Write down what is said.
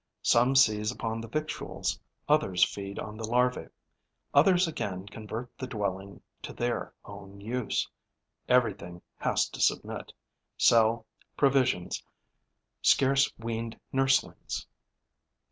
Some seize upon the victuals, others feed on the larvae, others again convert the dwelling to their own use. Everything has to submit: cell, provisions, scarce weaned nurselings.